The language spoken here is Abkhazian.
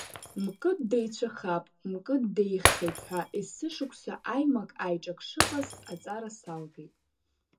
Мкыд деицәахап, Мкыд деиӷьхеит ҳәа есышықәса аимак-аиҿак шыҟаз аҵара салгеит.